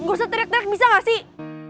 gusa teriak teriak bisa gak sih